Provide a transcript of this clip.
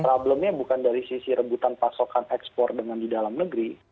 problemnya bukan dari sisi rebutan pasokan ekspor dengan di dalam negeri